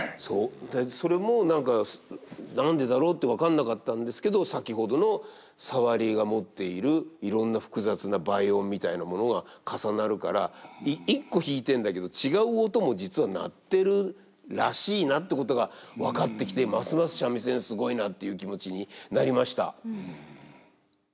それも何か何でだろうって分かんなかったんですけど先ほどのサワリが持っているいろんな複雑な倍音みたいなものが重なるから一個弾いてんだけど違う音も実は鳴ってるらしいなってことが分かってきてますます三味線すごいなっていう気持ちになりました。